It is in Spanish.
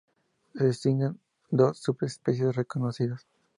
Se distinguen dos subespecies reconocidas.